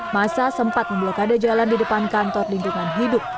masa sempat memblokade jalan di depan kantor lingkungan hidup